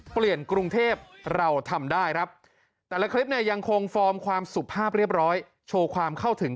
กรุงเทพเราทำได้ครับแต่ละคลิปเนี่ยยังคงฟอร์มความสุภาพเรียบร้อยโชว์ความเข้าถึง